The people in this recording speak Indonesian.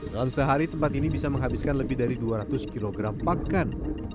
dalam sehari tempat ini bisa menghabiskan lebih dari dua ratus kg pakan